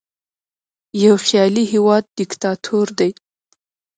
یوه خیالي هیواد دیکتاتور دی.